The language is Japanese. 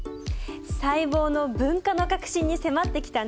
細胞の分化の核心に迫ってきたね。